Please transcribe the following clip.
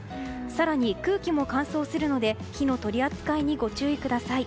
更に、空気も乾燥するので火の取り扱いにご注意ください。